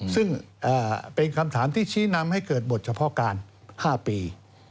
ซึ่งเป็นคำถามที่ชี้นำให้เกิดบทเฉพาะการ๕ปี